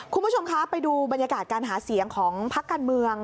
คุณผู้ชมคะไปดูบรรยากาศการหาเสียงของพักการเมือง